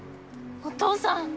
お父さん。